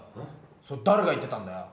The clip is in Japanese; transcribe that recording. それだれが言ってたんだよ！